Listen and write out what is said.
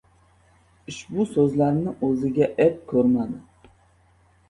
Ushbu so‘zlarni og‘ziga ep ko‘rmadi!